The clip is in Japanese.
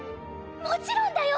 もちろんだよ。